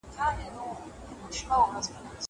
زه اجازه لرم چي خواړه ورکړم.